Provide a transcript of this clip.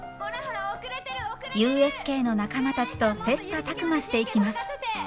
ＵＳＫの仲間たちと切磋琢磨していきます。